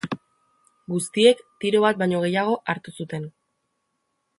Guztiek tiro bat baino gehiago hartu zuten.